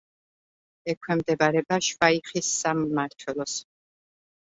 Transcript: ექვემდებარება შვაიხის სამმართველოს.